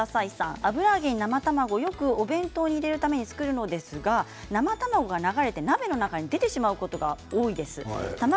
油揚げ、生卵お弁当で作るんですが生卵は流れて鍋の中に出てしまうことが多いです。